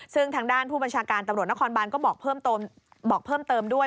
ซึ่งทางด้านผู้บัญชาการตำรวจนครบานก็บอกเพิ่มเติมด้วย